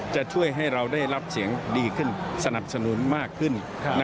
จะช่วยให้เราได้รับเสียงดีขึ้นสนับสนุนมากขึ้น